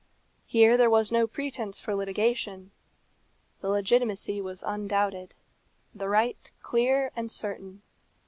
Here there was no pretence for litigation; the legitimacy was undoubted, the right clear and certain.